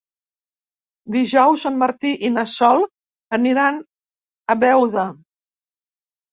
Dijous en Martí i na Sol aniran a Beuda.